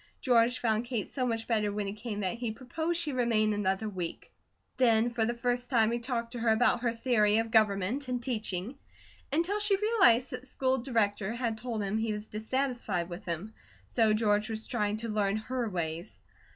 George found Kate so much better when he came that he proposed she remain another week. Then for the first time he talked to her about her theory of government and teaching, until she realized that the School Director had told him he was dissatisfied with him so George was trying to learn her ways.